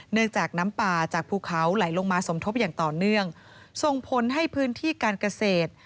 เนื่องจากน้ำป่าจากภูเขาไหลลงมาสมทบอย่างต่อเนื่องส่งผลให้พื้นที่การเกษตร